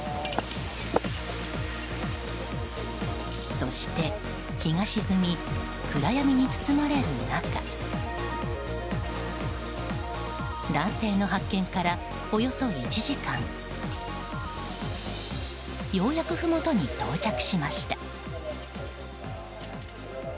そして、日が沈み暗闇に包まれる中男性の発見からおよそ１時間ようやくふもとに到着しました。